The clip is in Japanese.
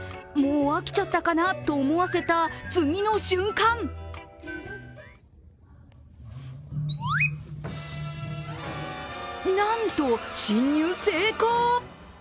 もう飽きちゃったかな？と思わせた次の瞬間なんと、侵入成功！